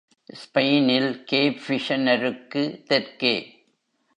ஸ்பெயினில் கேப் ஃபிஷினெருக்கு தெற்கே.